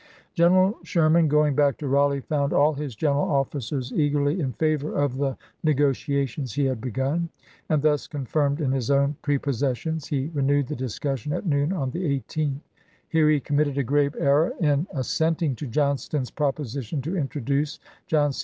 General Sherman, going back to Raleigh, found all his general officers eagerly in favor of the negotiations he had begun, and thus confirmed in his own prepossessions, he renewed the discussion at noon on the 18th. Here he committed a grave error in assenting to Johnston's proposition to introduce John C.